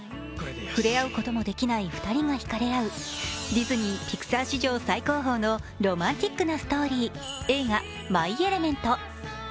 触れ合うこともできない２人が引かれ合う、ディズニー＆ピクサー史上最高峰のロマンティックなストーリー映画「マイ・エレメント」。